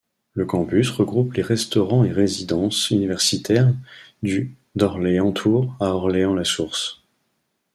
Le campus regroupe les restaurants et résidences universitaires du d'Orléans-Tours à Orléans-La Source.